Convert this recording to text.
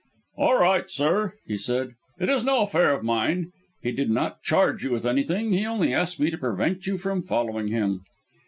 "All right, sir," he said, "it is no affair of mine; he did not charge you with anything he only asked me to prevent you from following him."